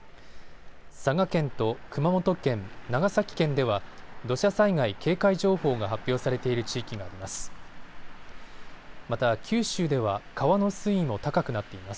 佐賀県と熊本県、長崎県では土砂災害警戒情報が発表されている地域があります。